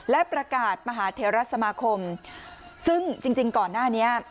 และประกาศมหาเทราสมาคมซึ่งจริงก่อนหน้านี้